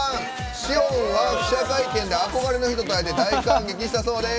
汐恩は記者会見で憧れの人と会えて大感激したそうです。